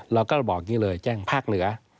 เราก็บอกอย่างนี้เลยแจ้งภาคเหนือ